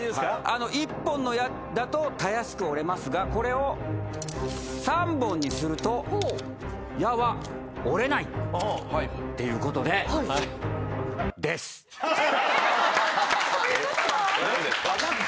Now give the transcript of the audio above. １本の矢だとたやすく折れますがこれを３本にすると矢は折れないっていうことでということは？